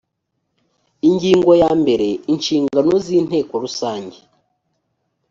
ingingo yambere inshingano z inteko rusange